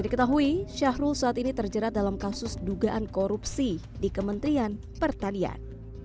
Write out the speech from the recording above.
diketahui syahrul saat ini terjerat dalam kasus dugaan korupsi di kementerian pertanian